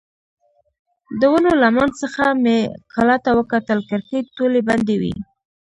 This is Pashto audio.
د ونو له منځ څخه مې کلا ته وکتل، کړکۍ ټولې بندې وې.